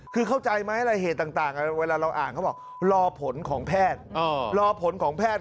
คือเข้าใจไหมอะไรเหตุต่างเวลาเราอ่านเขาบอกลอผลของแพทย์